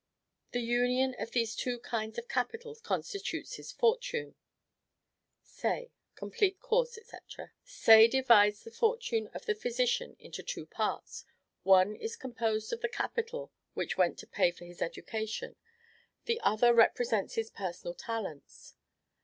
The union of these two kinds of capital constitutes his fortune." Say: Complete Course, &c. Say divides the fortune of the physician into two parts: one is composed of the capital which went to pay for his education, the other represents his personal talents.